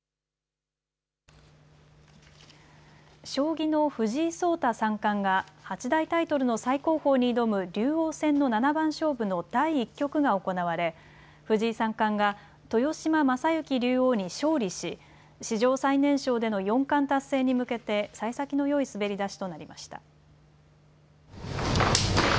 将棋の藤井聡太三冠が八大タイトルの最高峰に挑む竜王戦の七番勝負の第１局が行われ、藤井三冠が豊島将之竜王に勝利し史上最年少での四冠達成に向けてさい先のよい滑り出しとなりました。